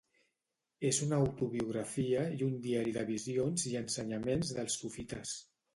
És una autobiografia i un diari de visions i ensenyaments dels sufites.